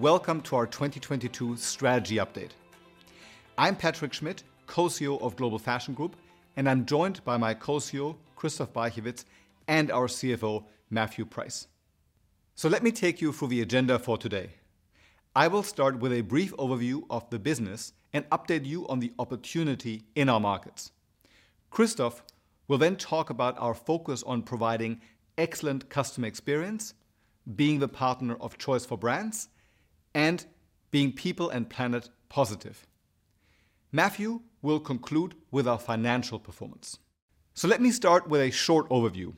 Welcome to our 2022 strategy update. I'm Patrick Schmidt, Co-CEO of Global Fashion Group, and I'm joined by my Co-CEO, Christoph Barchewitz, and our CFO, Matthew Price. Let me take you through the agenda for today. I will start with a brief overview of the business and update you on the opportunity in our markets. Christoph will then talk about our focus on providing excellent customer experience, being the partner of choice for brands, and being People and Planet Positive. Matthew will conclude with our financial performance. Let me start with a short overview.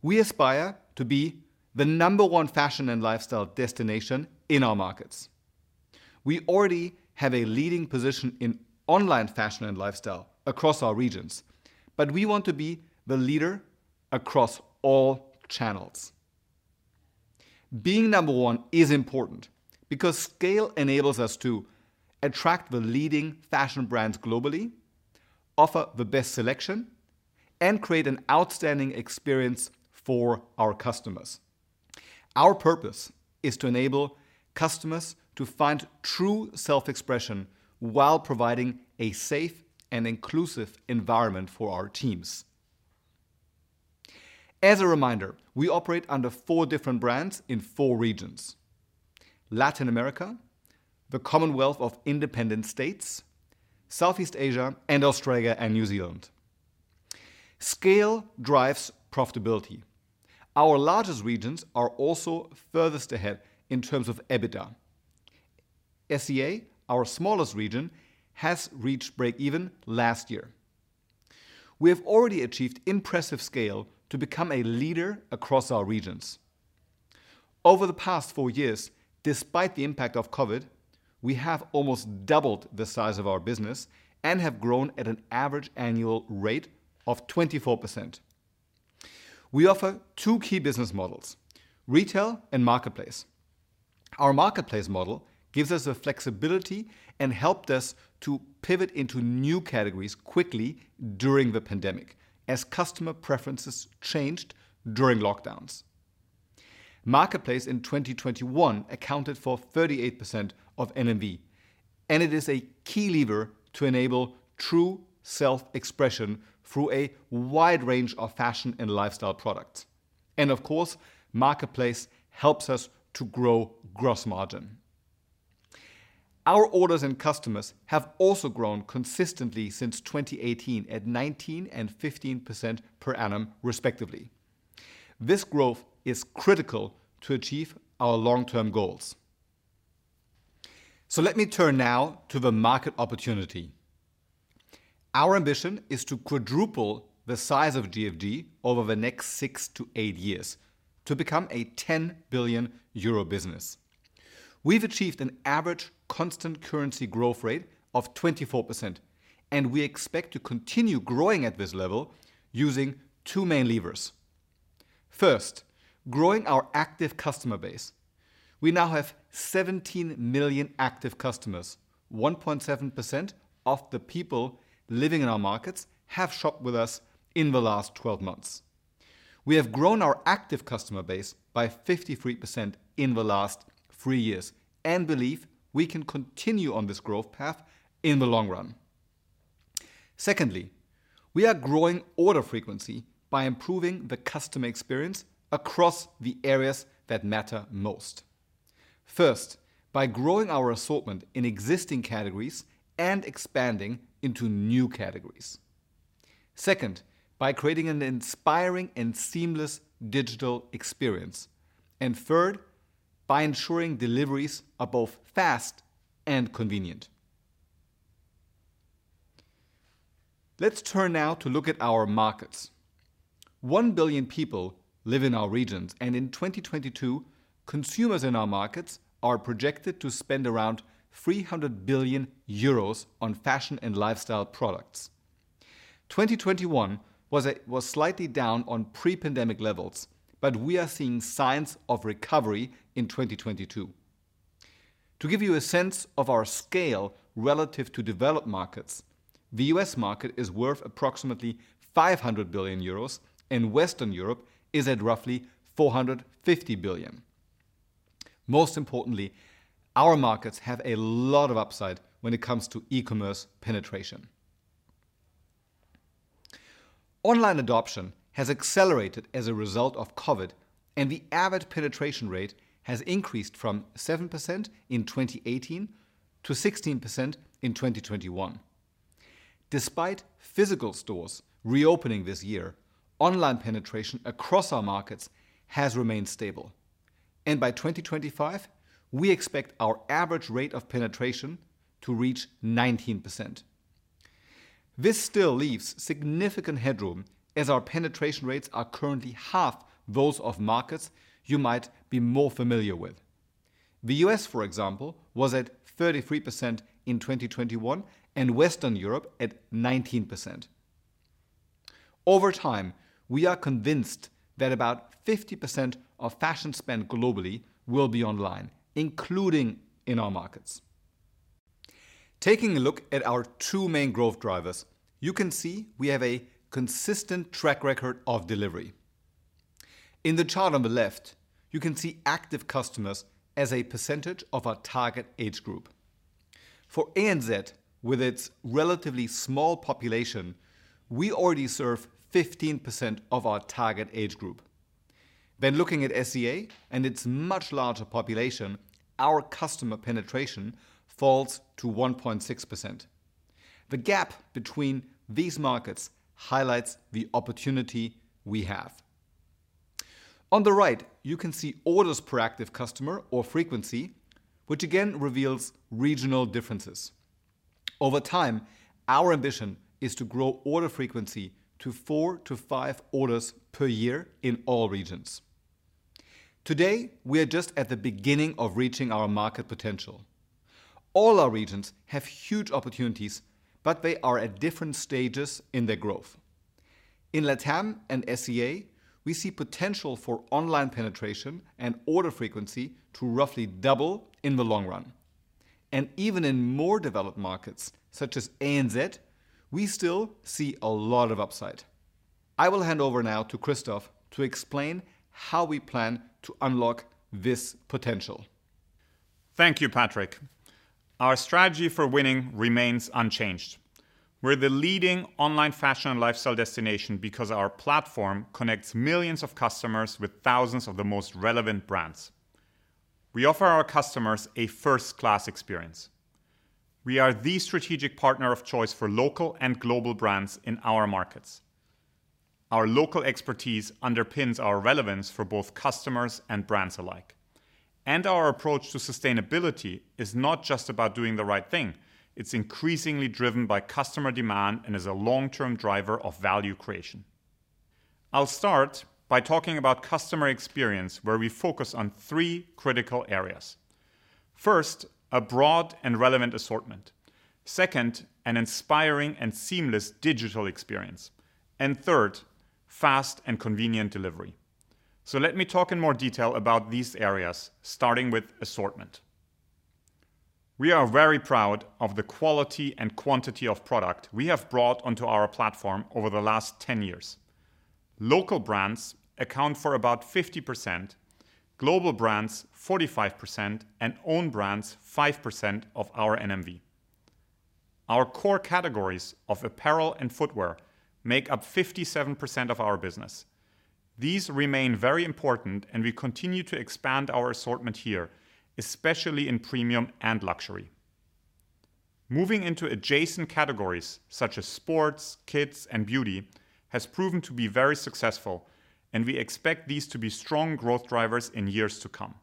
We aspire to be the number one fashion and lifestyle destination in our markets. We already have a leading position in online fashion and lifestyle across our regions, but we want to be the leader across all channels. Being number one is important because scale enables us to attract the leading fashion brands globally, offer the best selection, and create an outstanding experience for our customers. Our purpose is to enable customers to find true self-expression while providing a safe and inclusive environment for our teams. As a reminder, we operate under four different brands in four regions: Latin America, the Commonwealth of Independent States, Southeast Asia, and Australia and New Zealand. Scale drives profitability. Our largest regions are also furthest ahead in terms of EBITDA. SEA, our smallest region, has reached break even last year. We have already achieved impressive scale to become a leader across our regions. Over the past four years, despite the impact of COVID, we have almost doubled the size of our business and have grown at an average annual rate of 24%. We offer two key business models, retail and marketplace. Our marketplace model gives us the flexibility and helped us to pivot into new categories quickly during the pandemic as customer preferences changed during lockdowns. Marketplace in 2021 accounted for 38% of NMV, and it is a key lever to enable true self-expression through a wide range of fashion and lifestyle products. Of course, marketplace helps us to grow gross margin. Our orders and customers have also grown consistently since 2018 at 19% and 15% per annum, respectively. This growth is critical to achieve our long-term goals. Let me turn now to the market opportunity. Our ambition is to quadruple the size of GFG over the next six-eight years to become a 10 billion euro business. We've achieved an average constant currency growth rate of 24%, and we expect to continue growing at this level using two main levers. First, growing our active customer base. We now have 17 million active customers. 1.7% of the people living in our markets have shopped with us in the last 12 months. We have grown our active customer base by 53% in the last three years and believe we can continue on this growth path in the long run. Secondly, we are growing order frequency by improving the customer experience across the areas that matter most. First, by growing our assortment in existing categories and expanding into new categories. Second, by creating an inspiring and seamless digital experience. Third, by ensuring deliveries are both fast and convenient. Let's turn now to look at our markets. 1 billion people live in our regions, and in 2022, consumers in our markets are projected to spend around 300 billion euros on fashion and lifestyle products. 2021 was slightly down on pre-pandemic levels, but we are seeing signs of recovery in 2022. To give you a sense of our scale relative to developed markets, the U.S. market is worth approximately 500 billion euros, and Western Europe is at roughly 450 billion. Most importantly, our markets have a lot of upside when it comes to e-commerce penetration. Online adoption has accelerated as a result of COVID, and the average penetration rate has increased from 7% in 2018 to 16% in 2021. Despite physical stores reopening this year, online penetration across our markets has remained stable, and by 2025, we expect our average rate of penetration to reach 19%. This still leaves significant headroom as our penetration rates are currently half those of markets you might be more familiar with. The U.S., for example, was at 33% in 2021 and Western Europe at 19%. Over time, we are convinced that about 50% of fashion spend globally will be online, including in our markets. Taking a look at our two main growth drivers, you can see we have a consistent track record of delivery. In the chart on the left, you can see active customers as a percentage of our target age group. For ANZ, with its relatively small population, we already serve 15% of our target age group. Then looking at SEA and its much larger population, our customer penetration falls to 1.6%. The gap between these markets highlights the opportunity we have. On the right, you can see orders per active customer or frequency, which again reveals regional differences. Over time, our ambition is to grow order frequency to four-five orders per year in all regions. Today, we are just at the beginning of reaching our market potential. All our regions have huge opportunities, but they are at different stages in their growth. In LATAM and SEA, we see potential for online penetration and order frequency to roughly double in the long run, and even in more developed markets such as ANZ, we still see a lot of upside. I will hand over now to Christoph to explain how we plan to unlock this potential. Thank you, Patrick. Our strategy for winning remains unchanged. We're the leading online fashion and lifestyle destination because our platform connects millions of customers with thousands of the most relevant brands. We offer our customers a first-class experience. We are the strategic partner of choice for local and global brands in our markets. Our local expertise underpins our relevance for both customers and brands alike. Our approach to sustainability is not just about doing the right thing, it's increasingly driven by customer demand and is a long-term driver of value creation. I'll start by talking about customer experience, where we focus on three critical areas. First, a broad and relevant assortment. Second, an inspiring and seamless digital experience. Third, fast and convenient delivery. Let me talk in more detail about these areas, starting with assortment. We are very proud of the quality and quantity of product we have brought onto our platform over the last 10 years. Local brands account for about 50%, global brands 45%, and own brands 5% of our NMV. Our core categories of apparel and footwear make up 57% of our business. These remain very important, and we continue to expand our assortment here, especially in premium and luxury. Moving into adjacent categories such as sports, kids, and beauty has proven to be very successful, and we expect these to be strong growth drivers in years to come.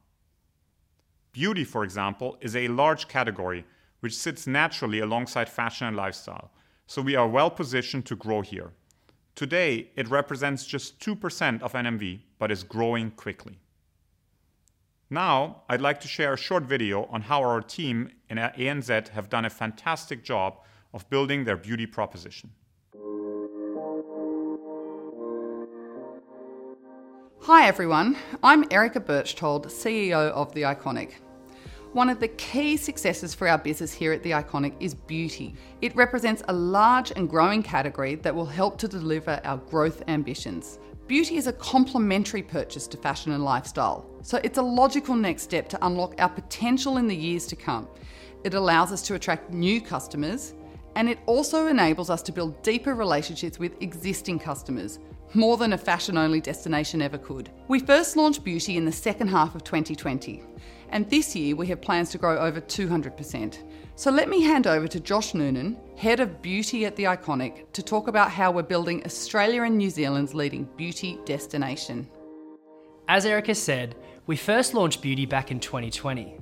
Beauty, for example, is a large category which sits naturally alongside fashion and lifestyle, so we are well-positioned to grow here. Today, it represents just 2% of NMV, but is growing quickly. Now, I'd like to share a short video on how our team in ANZ have done a fantastic job of building their beauty proposition. Hi everyone, I'm Erica Berchtold, CEO of THE ICONIC. One of the key successes for our business here at THE ICONIC is beauty. It represents a large and growing category that will help to deliver our growth ambitions. Beauty is a complementary purchase to fashion and lifestyle, so it's a logical next step to unlock our potential in the years to come. It allows us to attract new customers, and it also enables us to build deeper relationships with existing customers, more than a fashion-only destination ever could. We first launched beauty in the second half of 2020, and this year we have plans to grow over 200%. Let me hand over to Josh Noonan, Head of Beauty at THE ICONIC, to talk about how we're building Australia and New Zealand's leading beauty destination. As Erica said, we first launched beauty back in 2020.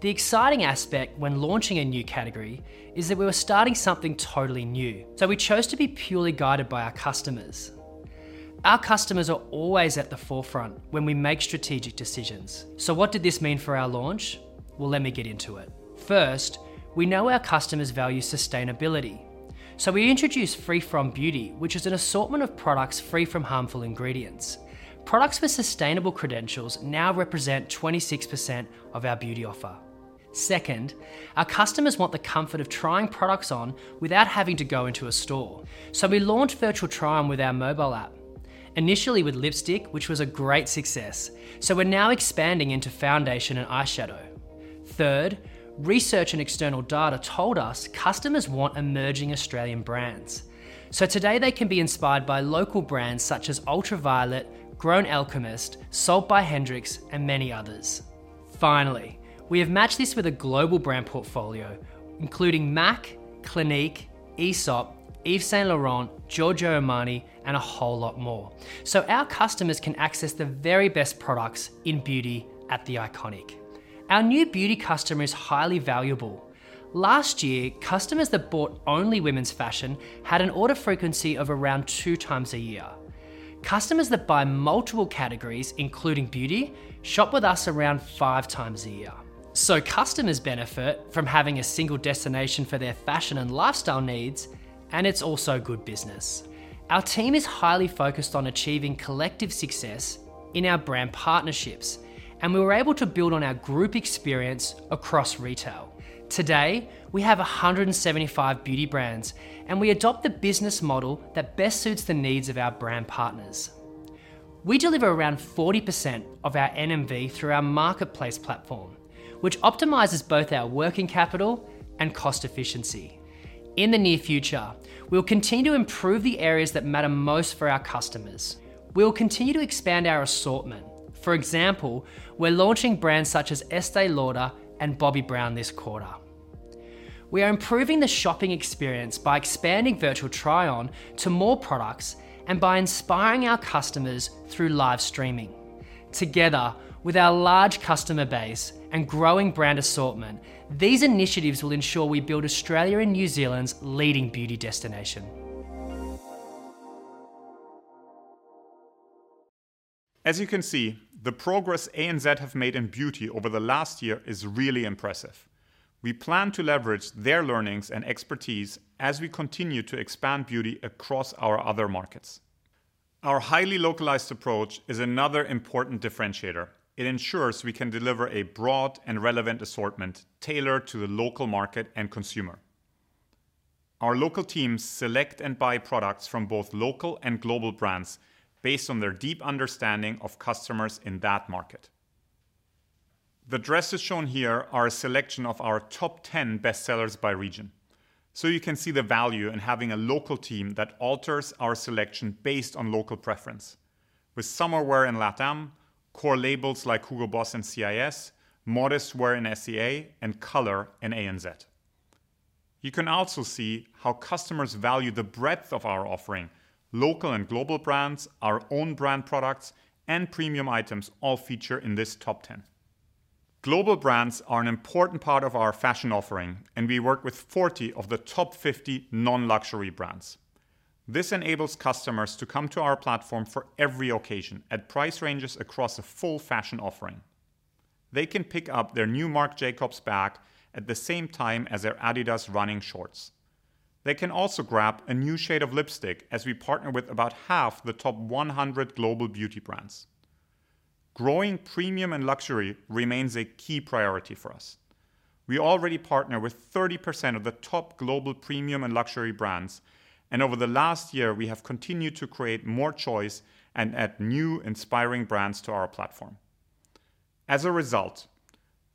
The exciting aspect when launching a new category is that we were starting something totally new, so we chose to be purely guided by our customers. Our customers are always at the forefront when we make strategic decisions. What did this mean for our launch? Well, let me get into it. First, we know our customers value sustainability, so we introduced Free From Beauty, which is an assortment of products free from harmful ingredients. Products with sustainable credentials now represent 26% of our beauty offer. Second, our customers want the comfort of trying products on without having to go into a store, so we launched Virtual Try-On with our mobile app. Initially with lipstick, which was a great success, so we're now expanding into foundation and eyeshadow. Third, research and external data told us customers want emerging Australian brands. Today they can be inspired by local brands such as Ultra Violette, Grown Alchemist, Sol de Janeiro, and many others. Finally, we have matched this with a global brand portfolio including M·A·C, Clinique, Aesop, Yves Saint Laurent, Giorgio Armani, and a whole lot more. Our customers can access the very best products in beauty at THE ICONIC. Our new beauty customer is highly valuable. Last year, customers that bought only women's fashion had an order frequency of around two times a year. Customers that buy multiple categories, including beauty, shop with us around five times a year. Customers benefit from having a single destination for their fashion and lifestyle needs, and it's also good business. Our team is highly focused on achieving collective success in our brand partnerships, and we were able to build on our group experience across retail. Today, we have 175 beauty brands, and we adopt the business model that best suits the needs of our brand partners. We deliver around 40% of our NMV through our marketplace platform, which optimizes both our working capital and cost efficiency. In the near future, we'll continue to improve the areas that matter most for our customers. We'll continue to expand our assortment. For example, we're launching brands such as Estée Lauder and Bobbi Brown this quarter. We are improving the shopping experience by expanding Virtual Try-On to more products and by inspiring our customers through live streaming. Together with our large customer base and growing brand assortment, these initiatives will ensure we build Australia and New Zealand's leading beauty destination. As you can see, the progress ANZ have made in beauty over the last year is really impressive. We plan to leverage their learnings and expertise as we continue to expand beauty across our other markets. Our highly localized approach is another important differentiator. It ensures we can deliver a broad and relevant assortment tailored to the local market and consumer. Our local teams select and buy products from both local and global brands based on their deep understanding of customers in that market. The dresses shown here are a selection of our top ten bestsellers by region, so you can see the value in having a local team that alters our selection based on local preference, with swimwear in LATAM, core labels like Hugo Boss in CIS, modest wear in SEA, and color in ANZ. You can also see how customers value the breadth of our offering. Local and global brands, our own brand products, and premium items all feature in this top ten. Global brands are an important part of our fashion offering, and we work with 40 of the top 50 non-luxury brands. This enables customers to come to our platform for every occasion at price ranges across a full fashion offering. They can pick up their new Marc Jacobs bag at the same time as their adidas running shorts. They can also grab a new shade of lipstick as we partner with about half the top 100 global beauty brands. Growing premium and luxury remains a key priority for us. We already partner with 30% of the top global premium and luxury brands, and over the last year, we have continued to create more choice and add new inspiring brands to our platform. As a result,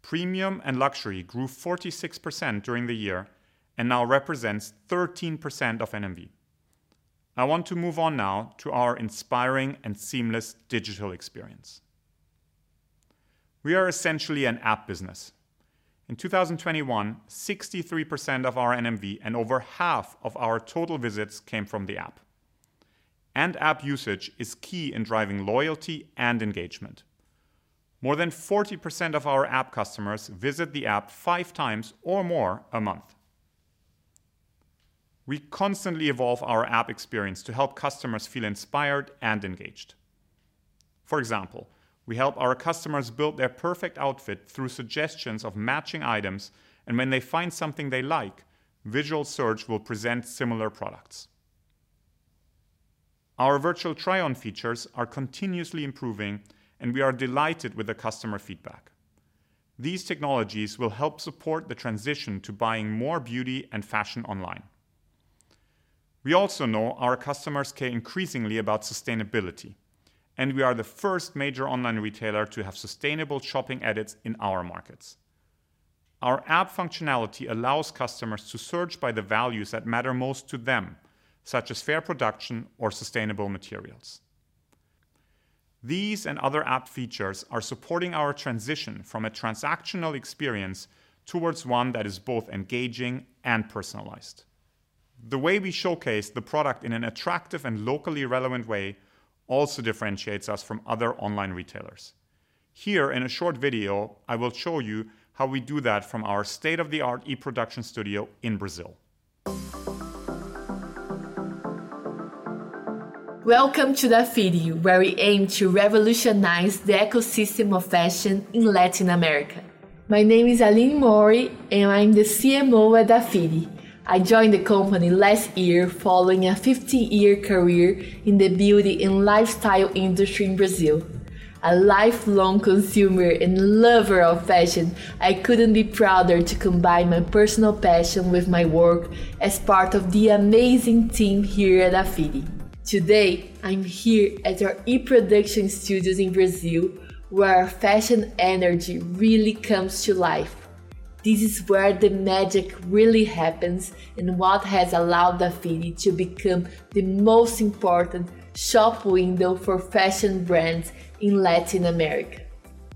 premium and luxury grew 46% during the year and now represents 13% of NMV. I want to move on now to our inspiring and seamless digital experience. We are essentially an app business. In 2021, 63% of our NMV and over half of our total visits came from the app. App usage is key in driving loyalty and engagement. More than 40% of our app customers visit the app five times or more a month. We constantly evolve our app experience to help customers feel inspired and engaged. For example, we help our customers build their perfect outfit through suggestions of matching items, and when they find something they like, visual search will present similar products. Our Virtual Try-On features are continuously improving, and we are delighted with the customer feedback. These technologies will help support the transition to buying more beauty and fashion online. We also know our customers care increasingly about sustainability, and we are the first major online retailer to have sustainable shopping edits in our markets. Our app functionality allows customers to search by the values that matter most to them, such as fair production or sustainable materials. These and other app features are supporting our transition from a transactional experience towards one that is both engaging and personalized. The way we showcase the product in an attractive and locally relevant way also differentiates us from other online retailers. Here in a short video, I will show you how we do that from our state-of-the-art e-production studio in Brazil. Welcome to Dafiti, where we aim to revolutionize the ecosystem of fashion in Latin America. My name is Aline Mori, and I'm the CMO at Dafiti. I joined the company last year following a 50-year career in the beauty and lifestyle industry in Brazil. A lifelong consumer and lover of fashion, I couldn't be prouder to combine my personal passion with my work as part of the amazing team here at Dafiti. Today, I'm here at our e-production studios in Brazil, where our fashion energy really comes to life. This is where the magic really happens and what has allowed Dafiti to become the most important shop window for fashion brands in Latin America.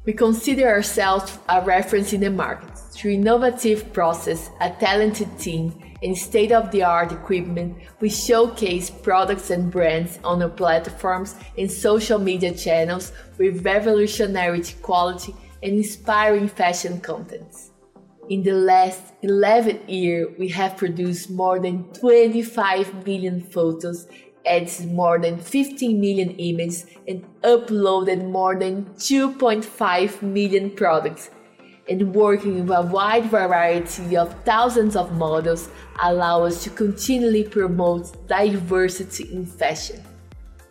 We consider ourselves a reference in the market. Through innovative process, a talented team, and state-of-the-art equipment, we showcase products and brands on our platforms and social media channels with revolutionary quality and inspiring fashion content. In the last 11 years, we have produced more than 25 million photos, and more than 15 million images, and uploaded more than 2.5 million products. Working with a wide variety of thousands of models allows us to continually promote diversity in fashion.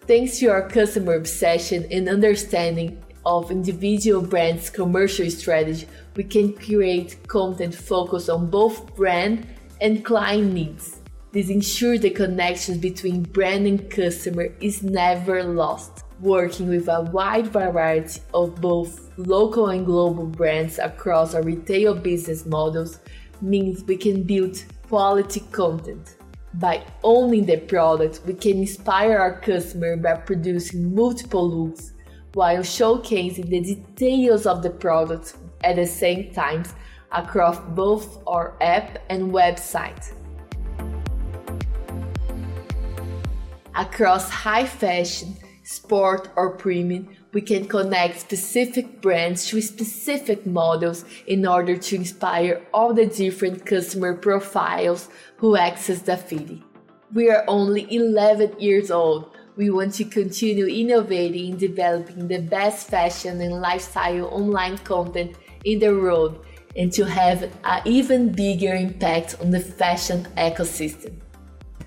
Thanks to our customer obsession and understanding of individual brands' commercial strategy, we can create content focused on both brand and client needs. This ensures the connection between brand and customer is never lost. Working with a wide variety of both local and global brands across our retail business models means we can build quality content. By owning the product, we can inspire our customer by producing multiple looks while showcasing the details of the product at the same time across both our app and website. Across high fashion, sport or premium, we can connect specific brands to specific models in order to inspire all the different customer profiles who access Dafiti. We are only 11 years old. We want to continue innovating and developing the best fashion and lifestyle online content in the world and to have an even bigger impact on the fashion ecosystem.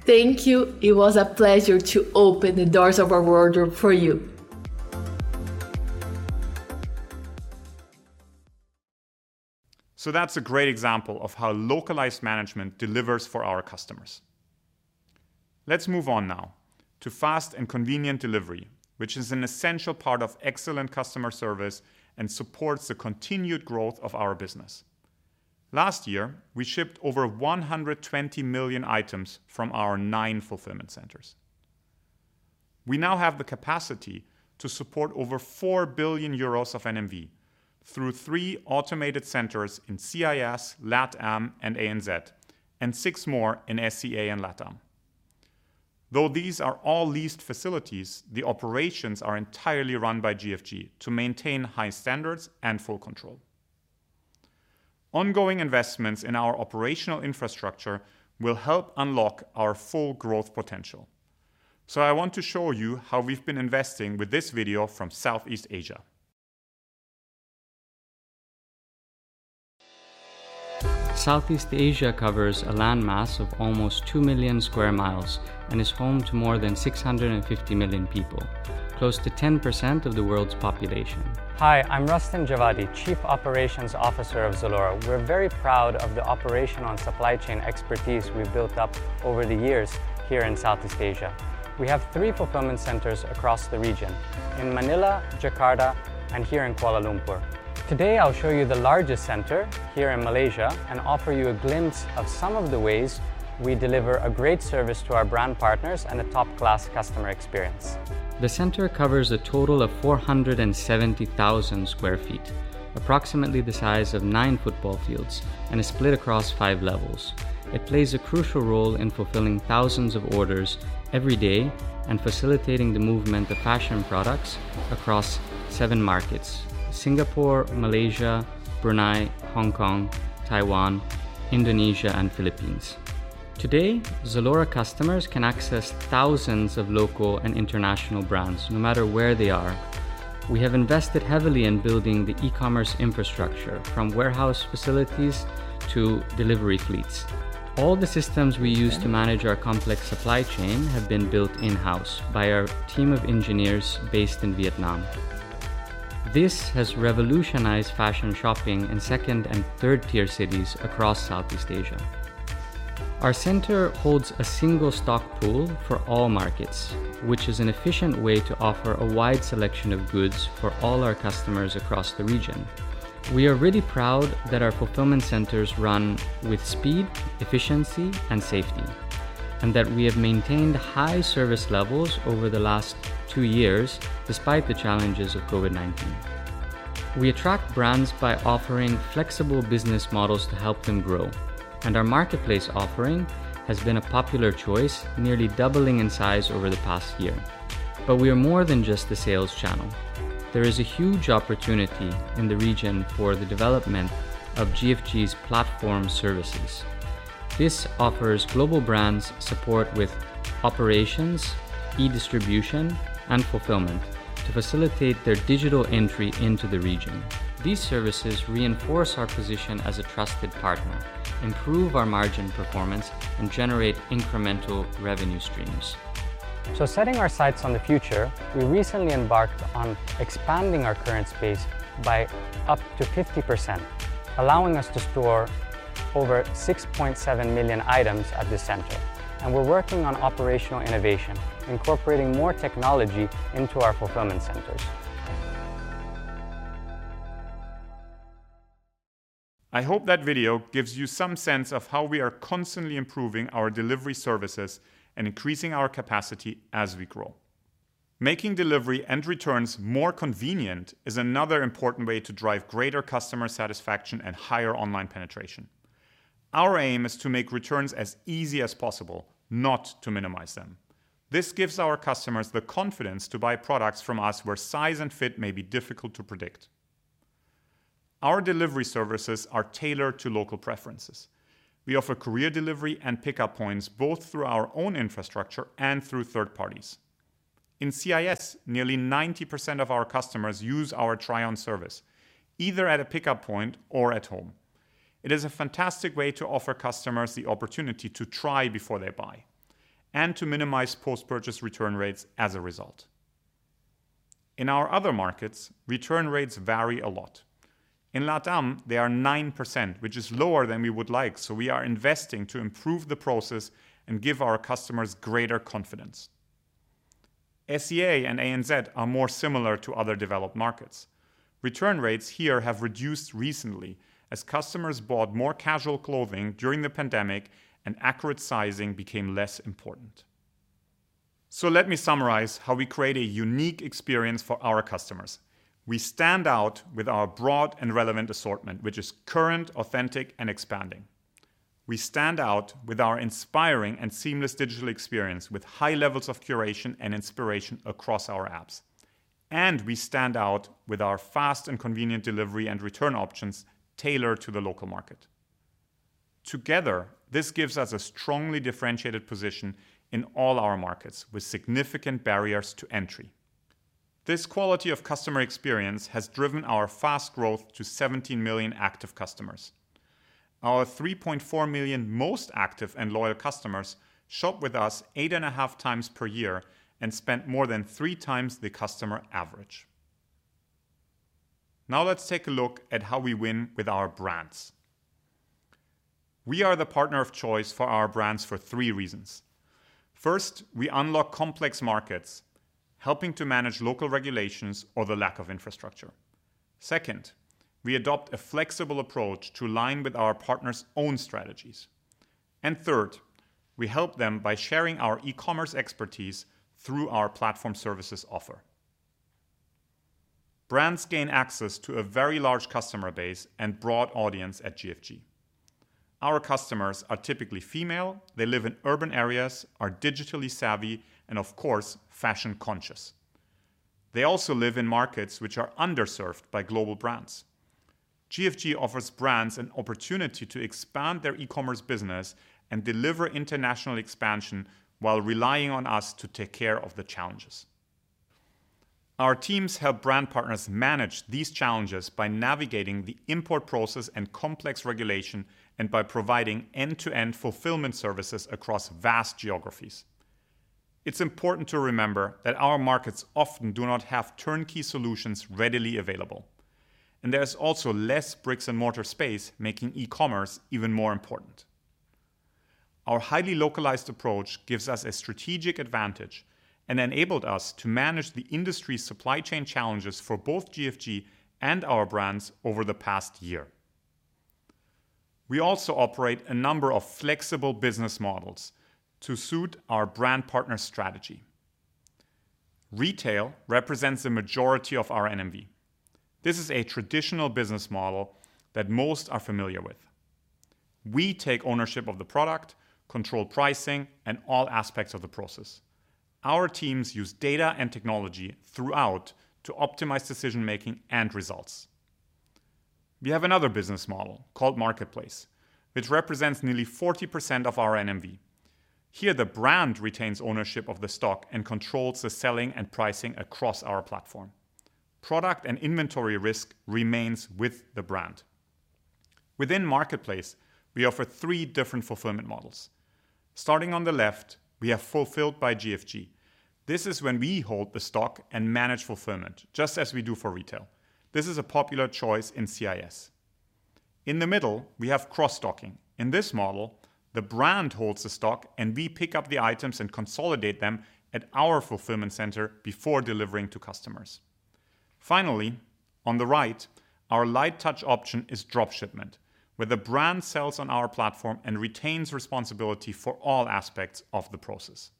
Thank you. It was a pleasure to open the doors of our wardrobe for you. That's a great example of how localized management delivers for our customers. Let's move on now to fast and convenient delivery, which is an essential part of excellent customer service and supports the continued growth of our business. Last year, we shipped over 120 million items from our nine fulfillment centers. We now have the capacity to support over 4 billion euros of NMV through three automated centers in CIS, LATAM and ANZ, and six more in SEA and LATAM. Though these are all leased facilities, the operations are entirely run by GFG to maintain high standards and full control. Ongoing investments in our operational infrastructure will help unlock our full growth potential. I want to show you how we've been investing with this video from Southeast Asia. Southeast Asia covers a land mass of almost 2 million sq mi and is home to more than 650 million people, close to 10% of the world's population. Hi, I'm Rostin Javadi, Chief Operations Officer of Zalora. We're very proud of the operational and supply chain expertise we've built up over the years here in Southeast Asia. We have three fulfillment centers across the region, in Manila, Jakarta, and here in Kuala Lumpur. Today, I'll show you the largest center here in Malaysia and offer you a glimpse of some of the ways we deliver a great service to our brand partners and a top-class customer experience. The center covers a total of 470,000 sq ft, approximately the size of nine football fields, and is split across five levels. It plays a crucial role in fulfilling thousands of orders every day and facilitating the movement of fashion products across seven markets, Singapore, Malaysia, Brunei, Hong Kong, Taiwan, Indonesia, and Philippines. Today, Zalora customers can access thousands of local and international brands no matter where they are. We have invested heavily in building the e-commerce infrastructure from warehouse facilities to delivery fleets. All the systems we use to manage our complex supply chain have been built in-house by our team of engineers based in Vietnam. This has revolutionized fashion shopping in second and third-tier cities across Southeast Asia. Our center holds a single stock pool for all markets, which is an efficient way to offer a wide selection of goods for all our customers across the region. We are really proud that our fulfillment centers run with speed, efficiency, and safety, and that we have maintained high service levels over the last two years despite the challenges of COVID-19. We attract brands by offering flexible business models to help them grow, and our marketplace offering has been a popular choice, nearly doubling in size over the past year. We are more than just a sales channel. There is a huge opportunity in the region for the development of GFG's platform services. This offers global brands support with operations, e-distribution, and fulfillment to facilitate their digital entry into the region. These services reinforce our position as a trusted partner, improve our margin performance, and generate incremental revenue streams. Setting our sights on the future, we recently embarked on expanding our current space by up to 50%, allowing us to store over 6.7 million items at the center, and we're working on operational innovation, incorporating more technology into our fulfillment centers. I hope that video gives you some sense of how we are constantly improving our delivery services and increasing our capacity as we grow. Making delivery and returns more convenient is another important way to drive greater customer satisfaction and higher online penetration. Our aim is to make returns as easy as possible, not to minimize them. This gives our customers the confidence to buy products from us where size and fit may be difficult to predict. Our delivery services are tailored to local preferences. We offer courier delivery and pickup points, both through our own infrastructure and through third parties. In CIS, nearly 90% of our customers use our try on service, either at a pickup point or at home. It is a fantastic way to offer customers the opportunity to try before they buy and to minimize post-purchase return rates as a result. In our other markets, return rates vary a lot. In LATAM, they are 9%, which is lower than we would like, so we are investing to improve the process and give our customers greater confidence. SEA and ANZ are more similar to other developed markets. Return rates here have reduced recently as customers bought more casual clothing during the pandemic and accurate sizing became less important. Let me summarize how we create a unique experience for our customers. We stand out with our broad and relevant assortment, which is current, authentic and expanding. We stand out with our inspiring and seamless digital experience with high levels of curation and inspiration across our apps. We stand out with our fast and convenient delivery and return options tailored to the local market. Together, this gives us a strongly differentiated position in all our markets with significant barriers to entry. This quality of customer experience has driven our fast growth to 17 million active customers. Our 3.4 million most active and loyal customers shop with us eight and half times per year and spend more than three times the customer average. Now let's take a look at how we win with our brands. We are the partner of choice for our brands for three reasons. First, we unlock complex markets, helping to manage local regulations or the lack of infrastructure. Second, we adopt a flexible approach to align with our partners' own strategies. Third, we help them by sharing our e-commerce expertise through our platform services offer. Brands gain access to a very large customer base and broad audience at GFG. Our customers are typically female, they live in urban areas, are digitally savvy, and of course, fashion conscious. They also live in markets which are underserved by global brands. GFG offers brands an opportunity to expand their e-commerce business and deliver international expansion while relying on us to take care of the challenges. Our teams help brand partners manage these challenges by navigating the import process and complex regulation and by providing end-to-end fulfillment services across vast geographies. It's important to remember that our markets often do not have turnkey solutions readily available, and there's also less bricks-and-mortar space, making e-commerce even more important. Our highly localized approach gives us a strategic advantage and enabled us to manage the industry supply chain challenges for both GFG and our brands over the past year. We also operate a number of flexible business models to suit our brand partner strategy. Retail represents the majority of our NMV. This is a traditional business model that most are familiar with. We take ownership of the product, control pricing, and all aspects of the process. Our teams use data and technology throughout to optimize decision-making and results. We have another business model called Marketplace, which represents nearly 40% of our NMV. Here, the brand retains ownership of the stock and controls the selling and pricing across our platform. Product and inventory risk remains with the brand. Within Marketplace, we offer three different fulfillment models. Starting on the left, we have Fulfilled by GFG. This is when we hold the stock and manage fulfillment, just as we do for retail. This is a popular choice in CIS. In the middle, we have cross-docking. In this model, the brand holds the stock and we pick up the items and consolidate them at our fulfillment center before delivering to customers. Finally, on the right, our light touch option is drop shipment, where the brand sells on our platform and retains responsibility for all aspects of the process.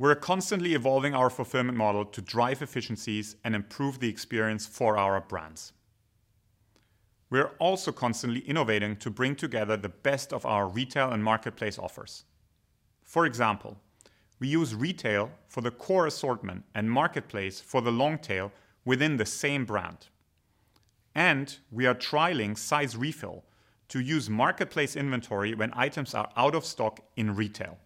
We're constantly evolving our fulfillment model to drive efficiencies and improve the experience for our brands. We're also constantly innovating to bring together the best of our retail and marketplace offers. For example, we use retail for the core assortment and marketplace for the long tail within the same brand, and we are trialing size refill to use marketplace inventory when items are out of stock in retail.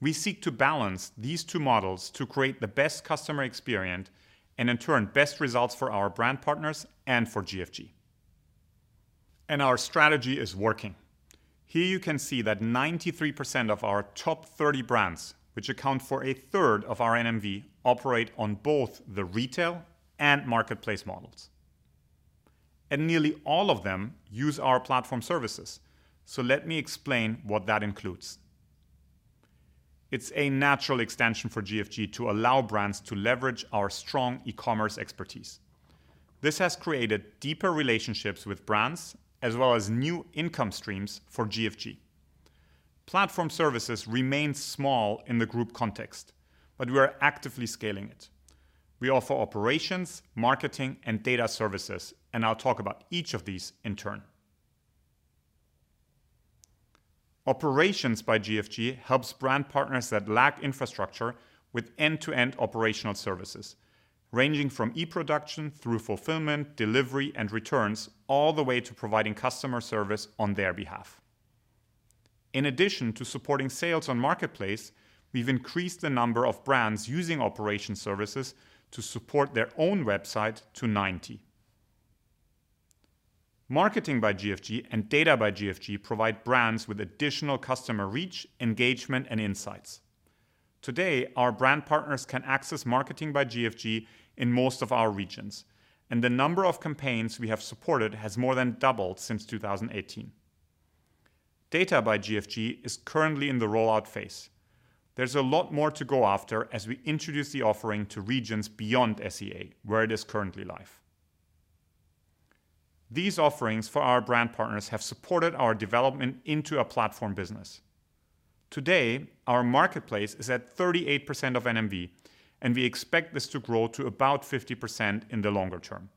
We seek to balance these two models to create the best customer experience and in turn, best results for our brand partners and for GFG. Our strategy is working. Here you can see that 93% of our top 30 brands, which account for 1/3 of our NMV, operate on both the retail and marketplace models. Nearly all of them use our platform services. Let me explain what that includes. It's a natural extension for GFG to allow brands to leverage our strong e-commerce expertise. This has created deeper relationships with brands as well as new income streams for GFG. Platform services remain small in the group context, but we are actively scaling it. We offer operations, marketing, and data services, and I'll talk about each of these in turn. Operations by GFG helps brand partners that lack infrastructure with end-to-end operational services, ranging from procurement through fulfillment, delivery, and returns, all the way to providing customer service on their behalf. In addition to supporting sales on marketplace, we've increased the number of brands using Operations by GFG to support their own website to 90. Marketing by GFG and Data by GFG provide brands with additional customer reach, engagement, and insights. Today, our brand partners can access Marketing by GFG in most of our regions, and the number of campaigns we have supported has more than doubled since 2018. Data by GFG is currently in the rollout phase. There's a lot more to go after as we introduce the offering to regions beyond SEA, where it is currently live. These offerings for our brand partners have supported our development into a platform business. Today, our marketplace is at 38% of NMV, and we expect this to grow to about 50% in the longer term.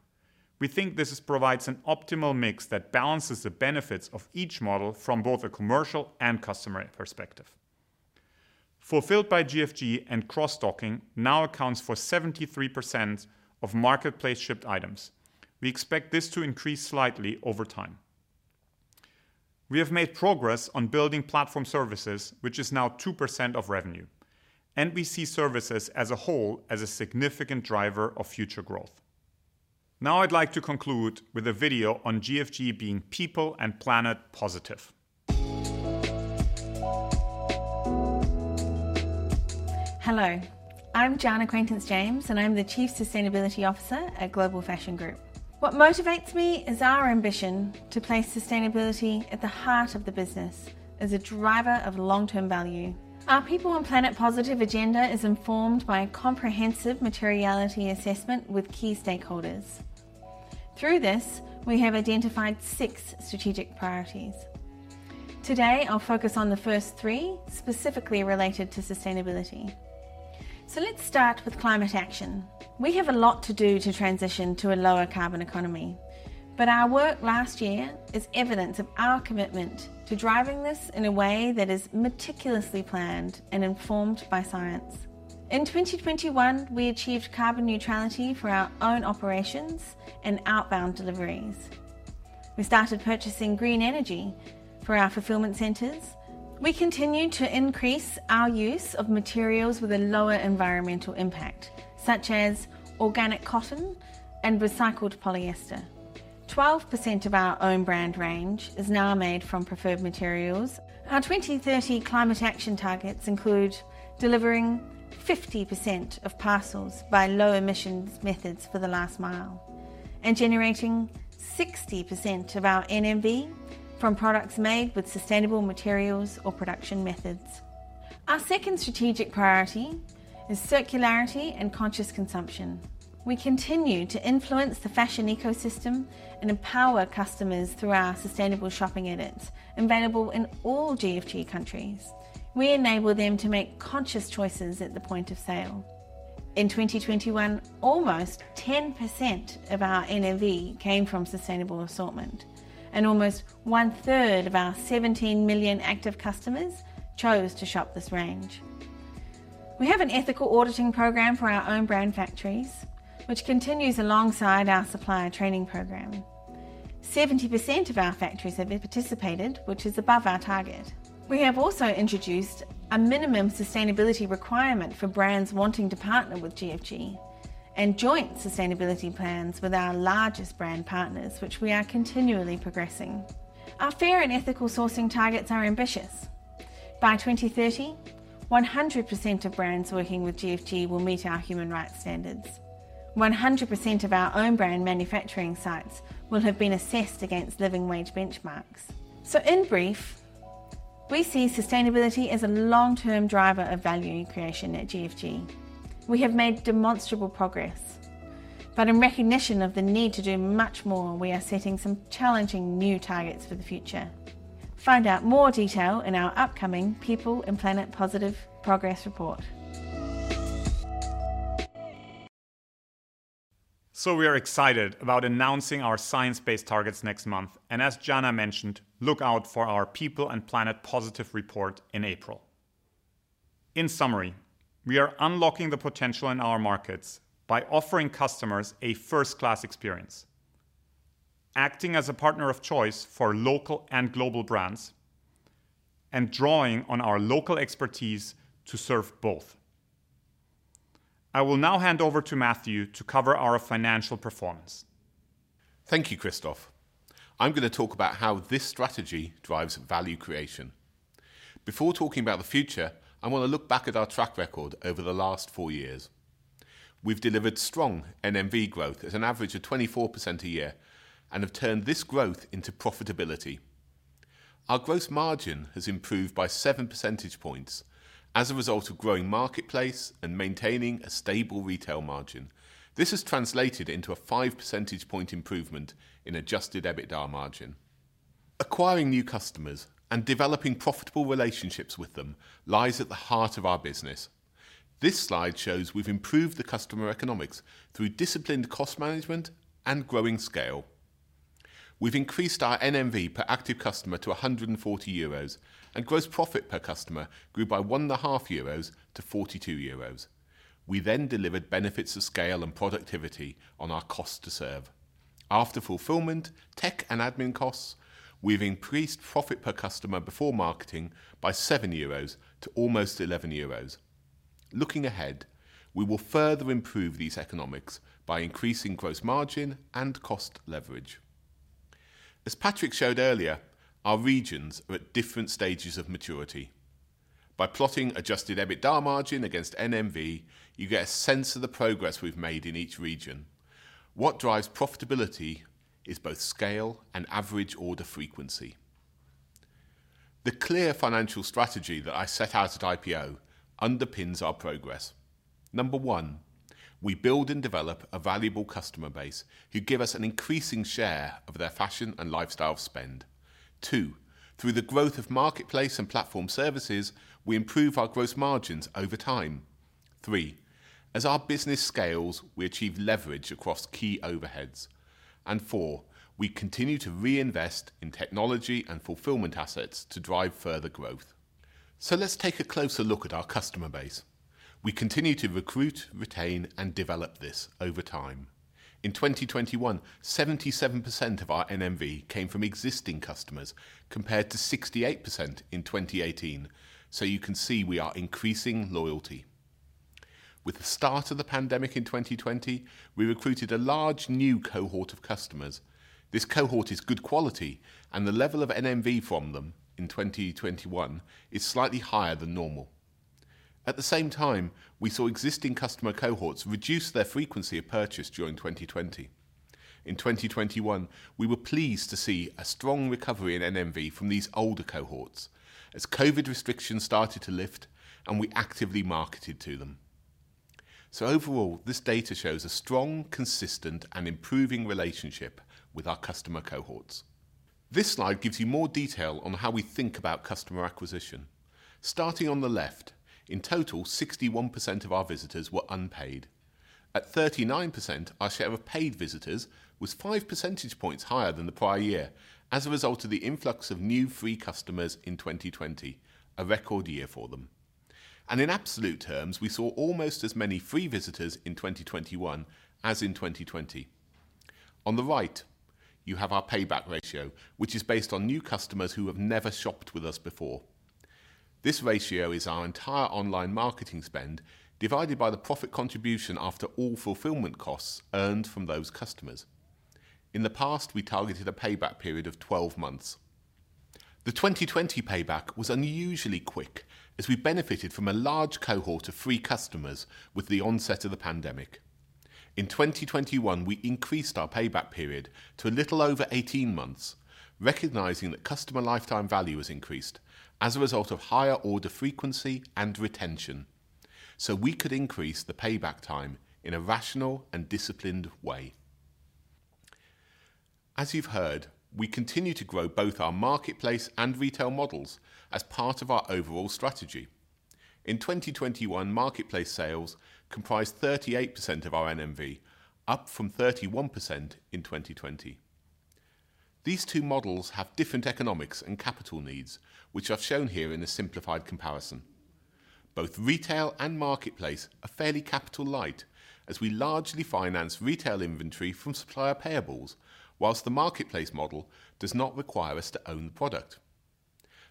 We think this provides an optimal mix that balances the benefits of each model from both a commercial and customer perspective. Fulfilled by GFG and cross-docking now accounts for 73% of marketplace-shipped items. We expect this to increase slightly over time. We have made progress on building platform services, which is now 2% of revenue, and we see services as a whole as a significant driver of future growth. Now I'd like to conclude with a video on GFG being People and Planet Positive. Hello, I'm Jaana Quaintance-James, and I'm the Chief Sustainability Officer at Global Fashion Group. What motivates me is our ambition to place sustainability at the heart of the business as a driver of long-term value. Our People and Planet Positive agenda is informed by a comprehensive materiality assessment with key stakeholders. Through this, we have identified six strategic priorities. Today, I'll focus on the first three, specifically related to sustainability. Let's start with climate action. We have a lot to do to transition to a lower carbon economy, but our work last year is evidence of our commitment to driving this in a way that is meticulously planned and informed by science. In 2021, we achieved carbon neutrality for our own operations and outbound deliveries. We started purchasing green energy for our fulfillment centers. We continue to increase our use of materials with a lower environmental impact, such as organic cotton and recycled polyester. 12% of our own brand range is now made from preferred materials. Our 2030 climate action targets include delivering 50% of parcels by low-emission methods for the last mile and generating 60% of our NMV from products made with sustainable materials or production methods. Our second strategic priority is circularity and conscious consumption. We continue to influence the fashion ecosystem and empower customers through our sustainable shopping edits, available in all GFG countries. We enable them to make conscious choices at the point of sale. In 2021, almost 10% of our NMV came from sustainable assortment, and almost 1/3 of our 17 million active customers chose to shop this range. We have an ethical auditing program for our own brand factories, which continues alongside our supplier training program. 70% of our factories have participated, which is above our target. We have also introduced a minimum sustainability requirement for brands wanting to partner with GFG and joint sustainability plans with our largest brand partners, which we are continually progressing. Our fair and ethical sourcing targets are ambitious. By 2030, 100% of brands working with GFG will meet our human rights standards. 100% of our own brand manufacturing sites will have been assessed against living wage benchmarks. In brief, we see sustainability as a long-term driver of value creation at GFG. We have made demonstrable progress, but in recognition of the need to do much more, we are setting some challenging new targets for the future. Find out more detail in our upcoming People and Planet Positive Progress Report. We are excited about announcing our science-based targets next month, and as Jana mentioned, look out for our People and Planet Positive Report in April. In summary, we are unlocking the potential in our markets by offering customers a first-class experience, acting as a partner of choice for local and global brands, and drawing on our local expertise to serve both. I will now hand over to Matthew to cover our financial performance. Thank you, Christoph. I'm gonna talk about how this strategy drives value creation. Before talking about the future, I wanna look back at our track record over the last four years. We've delivered strong NMV growth at an average of 24% a year and have turned this growth into profitability. Our gross margin has improved by 7 percentage points as a result of growing marketplace and maintaining a stable retail margin. This has translated into a 5 percentage point improvement in adjusted EBITDA margin. Acquiring new customers and developing profitable relationships with them lies at the heart of our business. This slide shows we've improved the customer economics through disciplined cost management and growing scale. We've increased our NMV per active customer to 140 euros, and gross profit per customer grew by 1.5 euros to 42 euros. We delivered benefits of scale and productivity on our cost to serve. After fulfillment, tech, and admin costs, we've increased profit per customer before marketing by 7 euros to almost 11 euros. Looking ahead, we will further improve these economics by increasing gross margin and cost leverage. As Patrick showed earlier, our regions are at different stages of maturity. By plotting adjusted EBITDA margin against NMV, you get a sense of the progress we've made in each region. What drives profitability is both scale and average order frequency. The clear financial strategy that I set out at IPO underpins our progress. Number one, we build and develop a valuable customer base who give us an increasing share of their fashion and lifestyle spend. Two, through the growth of marketplace and platform services, we improve our gross margins over time. Three, as our business scales, we achieve leverage across key overheads. Four, we continue to reinvest in technology and fulfillment assets to drive further growth. Let's take a closer look at our customer base. We continue to recruit, retain, and develop this over time. In 2021, 77% of our NMV came from existing customers, compared to 68% in 2018. You can see we are increasing loyalty. With the start of the pandemic in 2020, we recruited a large new cohort of customers. This cohort is good quality, and the level of NMV from them in 2021 is slightly higher than normal. At the same time, we saw existing customer cohorts reduce their frequency of purchase during 2020. In 2021, we were pleased to see a strong recovery in NMV from these older cohorts as COVID restrictions started to lift and we actively marketed to them. Overall, this data shows a strong, consistent, and improving relationship with our customer cohorts. This slide gives you more detail on how we think about customer acquisition. Starting on the left, in total, 61% of our visitors were unpaid. At 39%, our share of paid visitors was 5 percentage points higher than the prior year as a result of the influx of new free customers in 2020, a record year for them. In absolute terms, we saw almost as many free visitors in 2021 as in 2020. On the right, you have our payback period, which is based on new customers who have never shopped with us before. This ratio is our entire online marketing spend divided by the profit contribution after all fulfillment costs earned from those customers. In the past, we targeted a payback period of 12 months. The 2020 payback was unusually quick as we benefited from a large cohort of free customers with the onset of the pandemic. In 2021, we increased our payback period to a little over 18 months, recognizing that customer lifetime value has increased as a result of higher order frequency and retention, so we could increase the payback time in a rational and disciplined way. As you've heard, we continue to grow both our marketplace and retail models as part of our overall strategy. In 2021, marketplace sales comprised 38% of our NMV, up from 31% in 2020. These two models have different economics and capital needs, which I've shown here in a simplified comparison. Both retail and marketplace are fairly capital light as we largely finance retail inventory from supplier payables, while the marketplace model does not require us to own the product.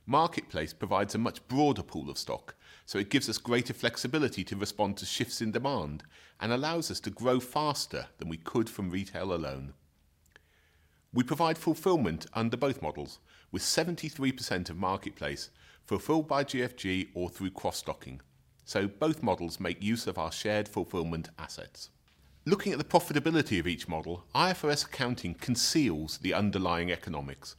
Marketplace provides a much broader pool of stock, so it gives us greater flexibility to respond to shifts in demand and allows us to grow faster than we could from retail alone. We provide fulfillment under both models with 73% of marketplace fulfilled by GFG or through cross-docking. Both models make use of our shared fulfillment assets. Looking at the profitability of each model, IFRS accounting conceals the underlying economics.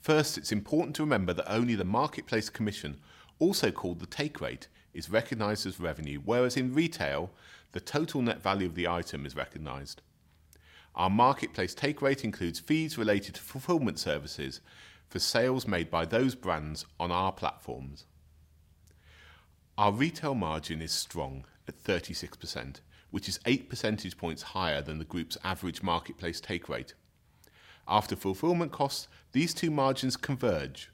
First, it's important to remember that only the marketplace commission, also called the take rate, is recognized as revenue, whereas in retail, the total net value of the item is recognized. Our marketplace take rate includes fees related to fulfillment services for sales made by those brands on our platforms. Our retail margin is strong at 36%, which is 8 percentage points higher than the group's average marketplace take rate. After fulfillment costs, these two margins converge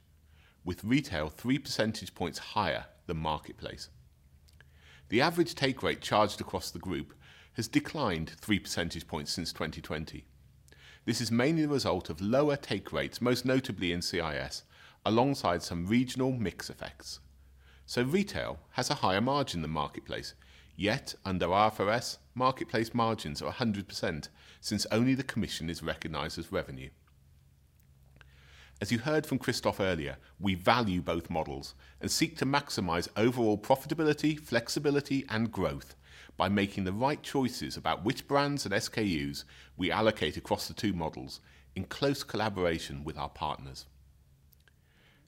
with retail 3 percentage points higher than marketplace. The average take rate charged across the group has declined 3 percentage points since 2020. This is mainly a result of lower take rates, most notably in CIS, alongside some regional mix effects. Retail has a higher margin than marketplace, yet under IFRS, marketplace margins are 100% since only the commission is recognized as revenue. As you heard from Christoph earlier, we value both models and seek to maximize overall profitability, flexibility, and growth by making the right choices about which brands and SKUs we allocate across the two models in close collaboration with our partners.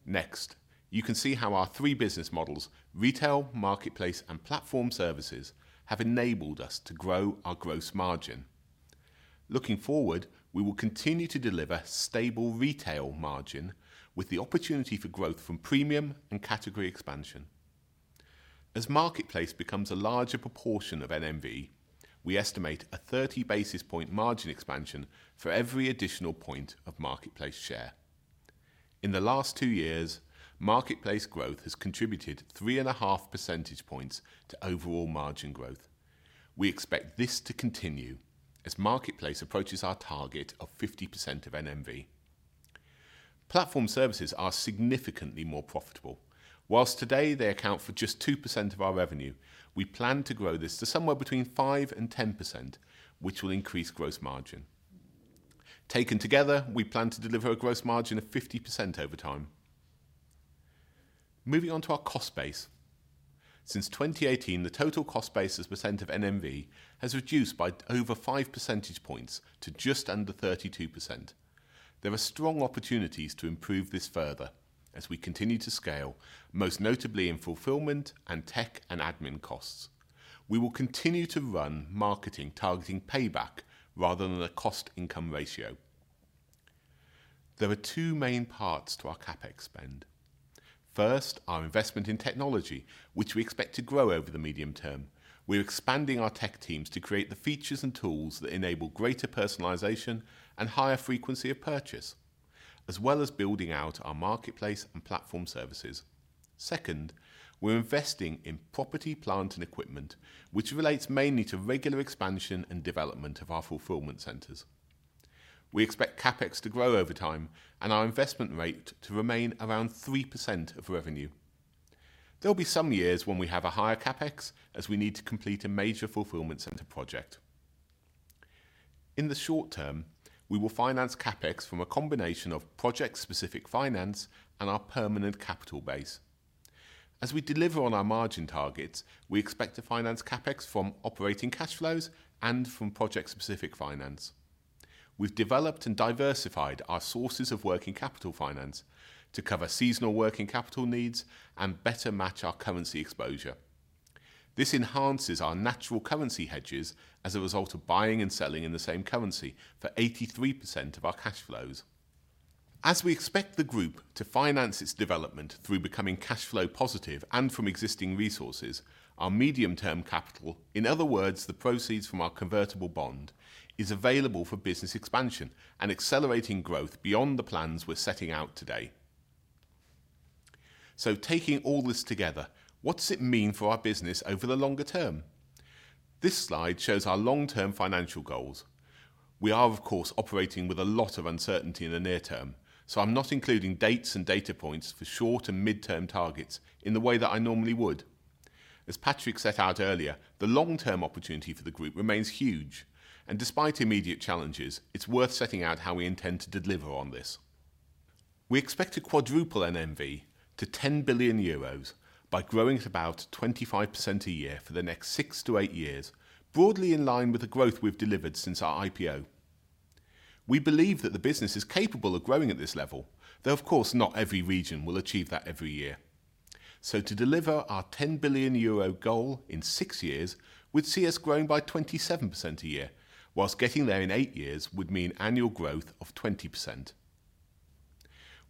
Next, you can see how our three business models, retail, marketplace, and platform services, have enabled us to grow our gross margin. Looking forward, we will continue to deliver stable retail margin with the opportunity for growth from premium and category expansion. As marketplace becomes a larger proportion of NMV, we estimate a 30 basis point margin expansion for every additional point of marketplace share. In the last two years, marketplace growth has contributed 3.5 percentage points to overall margin growth. We expect this to continue as marketplace approaches our target of 50% of NMV. Platform services are significantly more profitable. While today they account for just 2% of our revenue, we plan to grow this to somewhere between 5% and 10%, which will increase gross margin. Taken together, we plan to deliver a gross margin of 50% over time. Moving on to our cost base. Since 2018, the total cost base as a percent of NMV has reduced by over 5 percentage points to just under 32%. There are strong opportunities to improve this further as we continue to scale, most notably in fulfillment and tech and admin costs. We will continue to run marketing targeting payback rather than a cost income ratio. There are two main parts to our CapEx spend. First, our investment in technology, which we expect to grow over the medium term. We're expanding our tech teams to create the features and tools that enable greater personalization and higher frequency of purchase, as well as building out our marketplace and platform services. Second, we're investing in property, plant, and equipment, which relates mainly to regular expansion and development of our fulfillment centers. We expect CapEx to grow over time and our investment rate to remain around 3% of revenue. There will be some years when we have a higher CapEx, as we need to complete a major fulfillment center project. In the short term, we will finance CapEx from a combination of project-specific finance and our permanent capital base. As we deliver on our margin targets, we expect to finance CapEx from operating cash flows and from project-specific finance. We've developed and diversified our sources of working capital finance to cover seasonal working capital needs and better match our currency exposure. This enhances our natural currency hedges as a result of buying and selling in the same currency for 83% of our cash flows. As we expect the group to finance its development through becoming cash flow positive and from existing resources, our medium-term capital, in other words, the proceeds from our convertible bond, is available for business expansion and accelerating growth beyond the plans we're setting out today. Taking all this together, what does it mean for our business over the longer term? This slide shows our long-term financial goals. We are of course operating with a lot of uncertainty in the near term, so I'm not including dates and data points for short and midterm targets in the way that I normally would. As Patrick set out earlier, the long-term opportunity for the group remains huge, and despite immediate challenges, it's worth setting out how we intend to deliver on this. We expect to quadruple NMV to 10 billion euros by growing at about 25% a year for the next six-eight years, broadly in line with the growth we've delivered since our IPO. We believe that the business is capable of growing at this level, though of course not every region will achieve that every year. To deliver our 10 billion euro goal in six years would see us growing by 27% a year, while getting there in eight years would mean annual growth of 20%.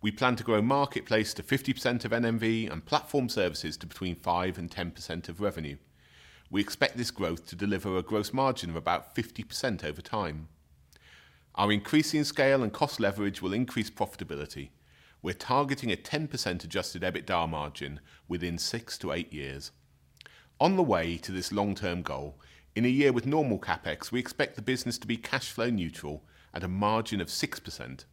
We plan to grow marketplace to 50% of NMV and platform services to between 5% and 10% of revenue. We expect this growth to deliver a gross margin of about 50% over time. Our increasing scale and cost leverage will increase profitability. We're targeting a 10% adjusted EBITDA margin within six-eight years. On the way to this long-term goal, in a year with normal CapEx, we expect the business to be cash flow neutral at a margin of 6%.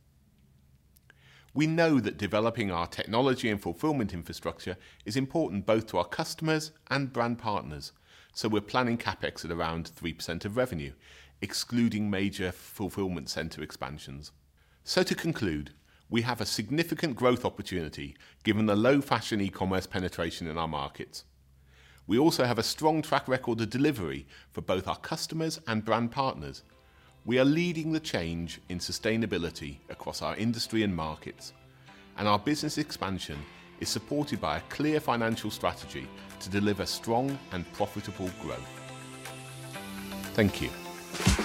We know that developing our technology and fulfillment infrastructure is important both to our customers and brand partners, so we're planning CapEx at around 3% of revenue, excluding major fulfillment center expansions. To conclude, we have a significant growth opportunity given the low fashion e-commerce penetration in our markets. We also have a strong track record of delivery for both our customers and brand partners. We are leading the change in sustainability across our industry and markets, and our business expansion is supported by a clear financial strategy to deliver strong and profitable growth. Thank you.